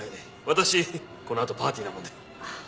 私このあとパーティーなもんで。